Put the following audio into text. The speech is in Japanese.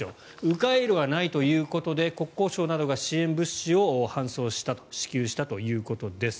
迂回路はないということで国交省などが支援物資を搬送して支給したということです。